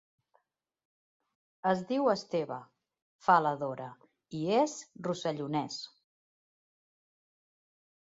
Es diu Esteve —fa la Dora—, i és rossellonès.